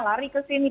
lari ke sini